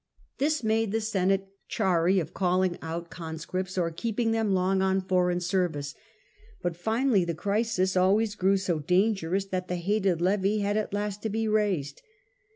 This made the Senate chary of calling out conscripts, or keeping them long on foreign service. But finally, the crisis always grew so dangerous that the hated levy had at last to be raised.